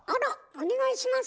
お願いします！